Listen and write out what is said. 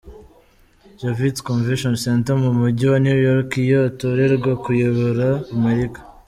Javits Convention Center mu Mujyi wa New York, iyo atorerwa kuyobora Amerika.